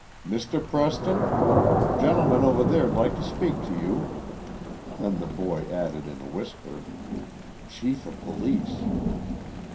"Mr. Preston? Gentleman over there'd like to speak to you." Then the boy added in a whisper, "Chief o' police."